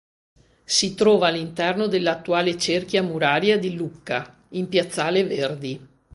Si trova all'interno della attuale cerchia muraria di Lucca, in piazzale Verdi.